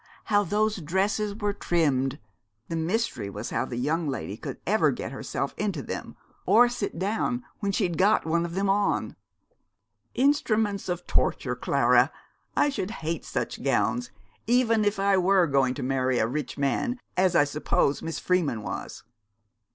how those dresses was trimmed. The mystery was how the young lady could ever get herself into them, or sit down when she'd got one of them on.' 'Instruments of torture, Clara. I should hate such gowns, even if I were going to marry a rich man, as I suppose Miss Freeman was.'